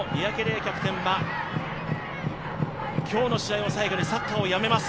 キャプテンは今日の試合を最後にサッカーを去ります。